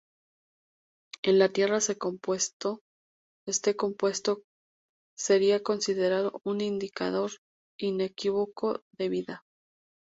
En la Tierra, este compuesto sería considerado un ""indicador inequívoco de vida"".